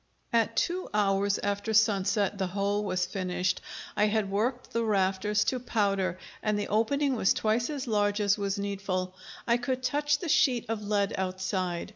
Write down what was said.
At two hours after sunset the hole was finished; I had worked the rafters to powder, and the opening was twice as large as was needful. I could touch the sheet of lead outside.